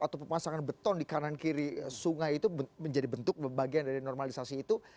atau pemasangan beton di kanan kiri sungai itu menjadi bentuk bagian dari normalisasi itu